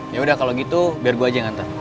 yaudah kalau gitu biar gue aja yang hantar